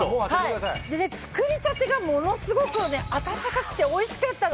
作り立てがものすごく温かくておいしかったの。